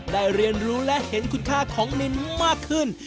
เรียนรู้และเห็นคุณค่าของลินมากขึ้น